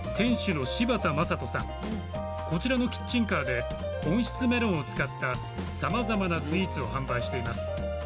こちらのキッチンカーで温室メロンを使ったさまざまなスイーツを販売しています。